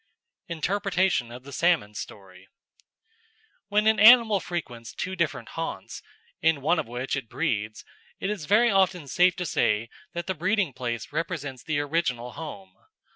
Interpretation of the Salmon's Story When an animal frequents two different haunts, in one of which it breeds, it is very often safe to say that the breeding place represents the original home.